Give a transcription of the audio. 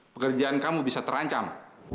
pekerjaan kamu bisa terancam